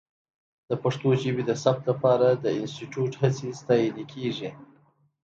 د پښتو ژبې د ثبت لپاره د انسټیټوت هڅې ستایلې کېږي.